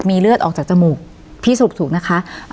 มีเลือดออกจากจมูกที่สูบถูกนะคะ